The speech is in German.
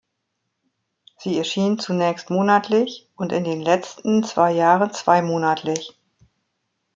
Sie erschien zunächst monatlich und in den letzten zwei Jahren zweimonatlich.